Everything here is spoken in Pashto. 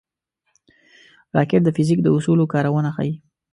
راکټ د فزیک د اصولو کارونه ښيي